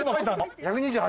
１２８。